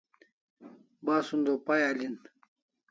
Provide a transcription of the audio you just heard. Basun o pay alin